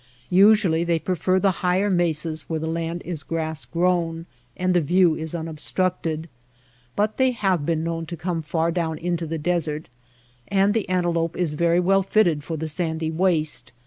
Usually they prefer the higher mesas where the land is grass grown and the view is unobstructed ; but they have been known to come far down into the desert. And the ante lope is very well fitted for the sandy waste.